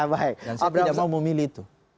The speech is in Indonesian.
dan saya tidak mau memilih itu